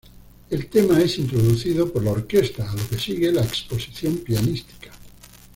El tema es introducido por la orquesta, a lo que sigue la exposición pianística.